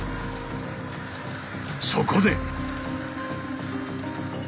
そこで！